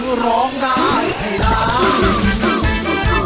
คือร้องได้ให้ร้าน